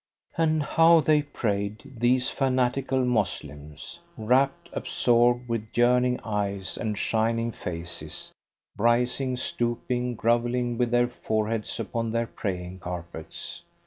And how they prayed, these fanatical Moslems! Rapt, absorbed, with yearning eyes and shining faces, rising, stooping, grovelling with their foreheads upon their praying carpets.